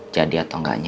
jadi atau gaknya